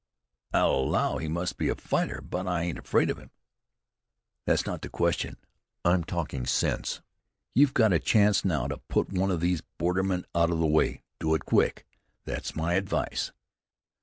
"I'll allow he must be a fighter; but I ain't afraid of him." "That's not the question. I am talking sense. You've got a chance now to put one of these bordermen out of the way. Do it quick! That's my advice."